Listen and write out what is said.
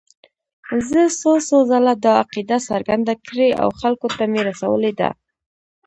زه څو څو ځله دا عقیده څرګنده کړې او خلکو ته مې رسولې ده.